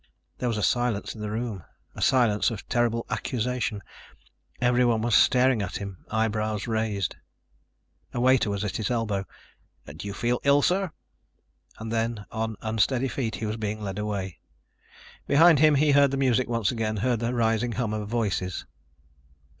There was a silence in the room a silence of terrible accusation. Everyone was staring at him. Eyebrows raised. A waiter was at his elbow. "Do you feel ill, sir?" And then, on unsteady feet, he was being led away. Behind him he heard the music once again, heard the rising hum of voices.